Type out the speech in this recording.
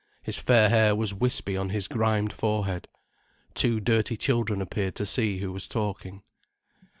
His fair hair was wispy on his grimed forehead. Two dirty children appeared to see who was talking.